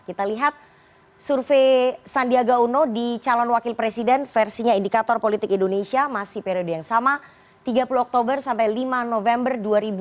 kita lihat survei sandiaga uno di calon wakil presiden versinya indikator politik indonesia masih periode yang sama tiga puluh oktober sampai lima november dua ribu dua puluh